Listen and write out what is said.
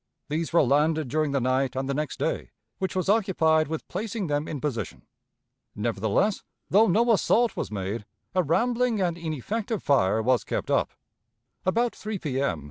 These were landed during the night and the next day, which was occupied with placing them in position. Nevertheless, though no assault was made, a rambling and ineffective fire was kept up. About 3 P.M.